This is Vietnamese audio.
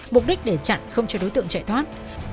mục đích để chặn không cho đối tượng chạy thoát